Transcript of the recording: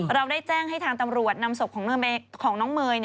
เราได้แจ้งให้ทางตำรวจนำศพของน้องเมย์